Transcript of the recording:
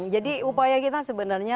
jadi upaya kita sebenarnya